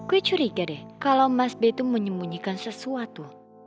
gue curiga deh kalau mas be itu menyembunyikan sesuatu